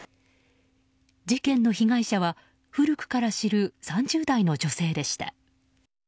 事件の被害者は古くから知る３０代の女性でした。